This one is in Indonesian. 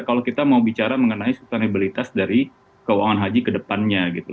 kalau kita mau bicara mengenai sustanabilitas dari keuangan haji ke depannya gitu